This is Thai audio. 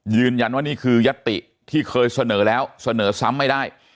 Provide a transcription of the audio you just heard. ยืนยันว่านี่คือยัตติที่เคยเสนอแล้วเสนอซ้ำไม่ได้